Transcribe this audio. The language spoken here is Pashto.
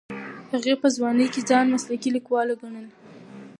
هغې په ځوانۍ کې ځان مسلکي لیکواله ګڼله.